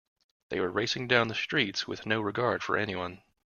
They were racing down the streets with no regard for anyone.